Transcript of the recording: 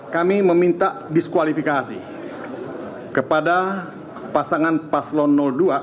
kami meminta diskualifikasi kepada pasangan paslon dua